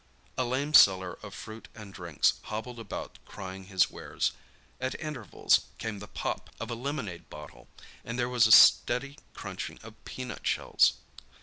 A lame seller of fruit and drinks hobbled about crying his wares; at intervals came the "pop" of a lemonade bottle, and there was a steady crunching of peanut shells.